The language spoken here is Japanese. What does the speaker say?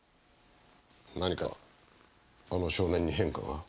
何かあの少年に変化が？